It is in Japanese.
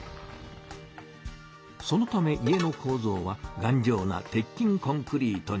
そのため家のこうぞうはがんじょうな鉄筋コンクリートに。